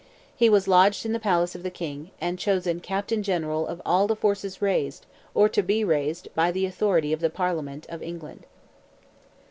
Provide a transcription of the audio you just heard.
He was lodged in the palace of the king, and chosen "Captain general of all the forces raised, or to be raised, by the authority of the Parliament of England."